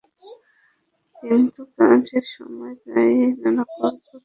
কিন্তু কাজের সময় প্রায়ই নানা গল্প তাঁর মাথায় এসে ভিড় করে।